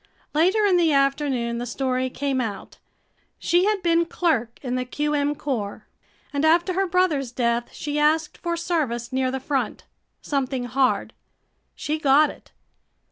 Later in the afternoon the story came out. She had been clerk in the Q. M. corps and after her brother's death she asked for service near the front, something hard. She got it.